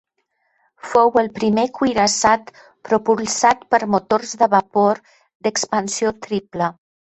Fou el primer cuirassat propulsat per motors de vapor d'expansió triple.